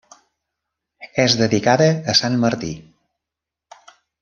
És dedicada a Sant Martí.